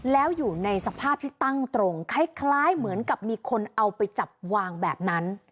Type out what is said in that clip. แล้วอยู่ในสภาพที่ตั้งตรงคล้ายเหมือนกับมีคนเอาไปจับวางแบบนั้น